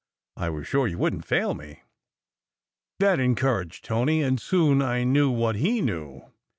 I was sure you wouldn t fail me." That encouraged Tony, and soon I knew what he knew.